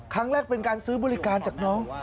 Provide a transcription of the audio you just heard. เป็นการซื้อบริการจากน้อง